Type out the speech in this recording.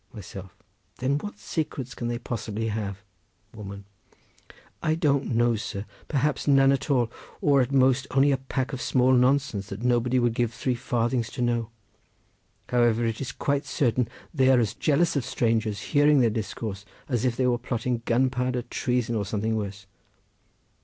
Myself.—Then what secrets can they possibly have? Woman.—I don't know, sir! perhaps none at all, or at most only a pack of small nonsense, that nobody would give three farthings to know. However, it is quite certain they are as jealous of strangers hearing their discourse as if they were plotting gunpowder treason, or something worse.